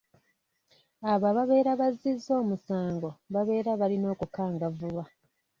Abo ababa bazzizza omusango babeera balina okukangavvulwa.